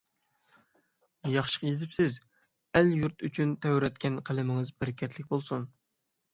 ياخشى يېزىپسىز. ئەل-يۇرت ئۈچۈن تەۋرەتكەن قەلىمىڭىز بەرىكەتلىك بولسۇن!